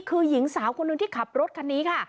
คือหญิงสาวคนหนึ่งที่ขับรถคันนี้ค่ะ